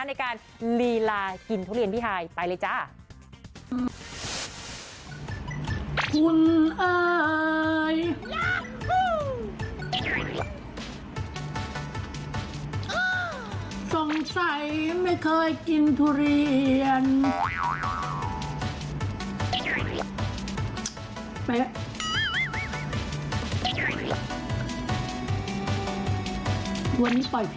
ในการลีลากินทุเรียนพี่ฮายไปเลยจ้า